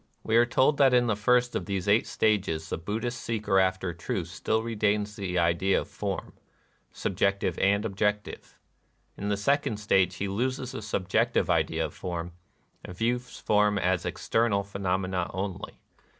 We are told that in the first of these eight stages the Bud 216 NIRVANA dhist seeker after truth still retains the ideas of form — subjective and objective. In the second stage he loses the subjective idea of form, and views forms as external phenomena only.